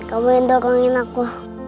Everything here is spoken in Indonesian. kamu yang dorongin aku